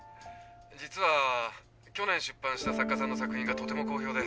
実は去年出版した作家さんの作品がとても好評で。